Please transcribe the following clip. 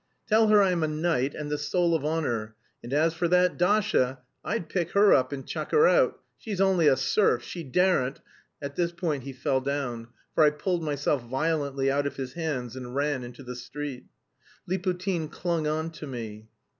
"Tell her I'm a knight and the soul of honour, and as for that Dasha... I'd pick her up and chuck her out.... She's only a serf, she daren't..." At this point he fell down, for I pulled myself violently out of his hands and ran into the street. Liputin clung on to me.